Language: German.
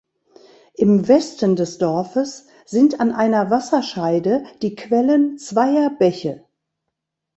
Im Westen des Dorfes sind an einer Wasserscheide die Quellen zweier Bäche.